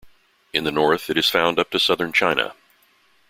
In the north it is found up to southern China.